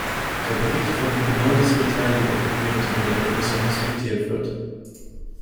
Der Bericht fordert genau diese Beteiligung, während die Rolle der Kommission respektiert wird.